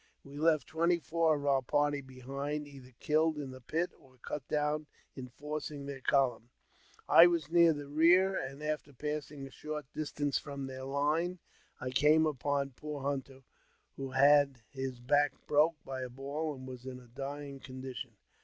We left twenty four of our party behind, either killed in the pit, or cut down in forcing their column. I was near the rear, and, after passing a short distance from their line, I came upon poor Hunter, who had his back broken by a ball, and was in a dying condition.